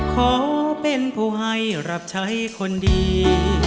ขอเป็นผู้ให้รับใช้คนดี